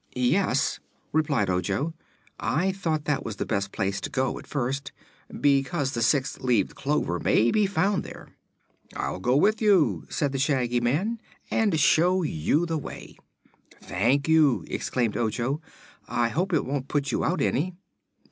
"Yes," replied Ojo. "I thought that the best place to go, at first, because the six leaved clover may be found there." "I'll go with you," said the Shaggy Man, "and show you the way." "Thank you," exclaimed Ojo. "I hope it won't put you out any."